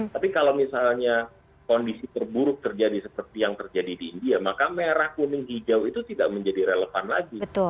tapi kalau misalnya kondisi terburuk terjadi seperti yang terjadi di india maka merah kuning hijau itu tidak menjadi relevan lagi